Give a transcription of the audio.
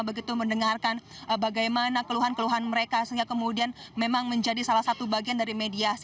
begitu mendengarkan bagaimana keluhan keluhan mereka sehingga kemudian memang menjadi salah satu bagian dari mediasi